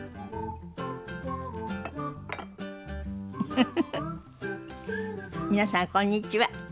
フフフフ皆さんこんにちは。